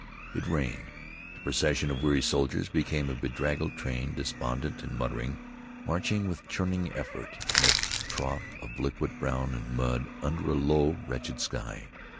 It rained. The procession of weary soldiers became a bedraggled train, despondent and muttering, marching with churning effort in a trough of liquid brown mud under a low, wretched sky.